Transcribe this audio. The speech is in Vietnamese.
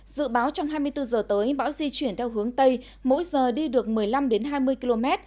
dự báo trong hai mươi bốn h tới bão di chuyển theo hướng tây mỗi giờ đi được một mươi năm hai mươi km